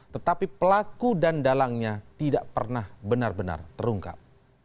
tetapi pelaku dan dalangnya tidak pernah benar benar terungkap